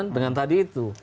dengan tadi itu